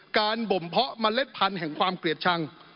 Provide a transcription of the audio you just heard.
บ่มเพาะเมล็ดพันธุ์แห่งความเกลียดชัง